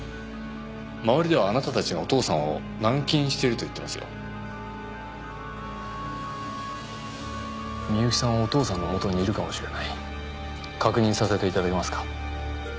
周りではあなたたちがお父さんを軟禁していると言ってますよ美雪さんはお父さんのもとにいるかもしれない確認させて頂けますか？